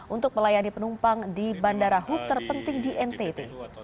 untuk melayani penumpang di bandara hub terpenting di ntt